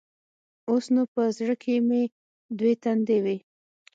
اوس نو په زړه کښې مې دوې تندې وې.